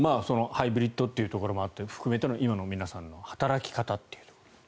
ハイブリッドというところもあってそれを含めて今の皆さんの働き方という。